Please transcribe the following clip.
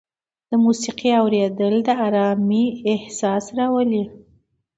د موسیقۍ اورېدل د ارامۍ احساس راولي.